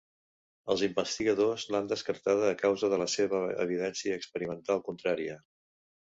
Els investigadors l'han descartada a causa de la seva evidència experimental contrària.